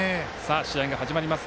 試合が始まります。